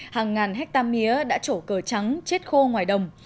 hàng ngàn hectare mía đã trổ cờ trắng chết khô ngoài đồng